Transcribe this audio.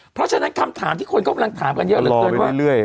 เพราะฉะนั้นคำถามที่คนก็กำลังถามกันเยอะเรื่อย